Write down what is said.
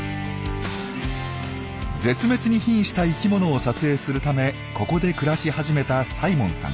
絶滅にひんした生きものを撮影するためここで暮らし始めたサイモンさん。